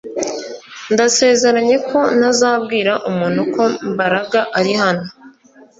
Ndasezeranye ko ntazabwira umuntu ko Mbaraga ari hano